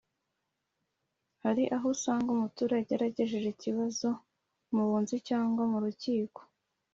Hari aho usanga umuturage yaragejeje ikibazo mu bunzi cyangwa mu rukiko